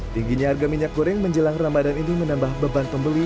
tingginya harga minyak goreng menjelang ramadan ini menambah beban pembeli